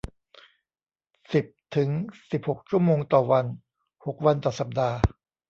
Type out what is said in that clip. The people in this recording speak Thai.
สิบถึงสิบหกชั่วโมงต่อวัน หกวันต่อสัปดาห์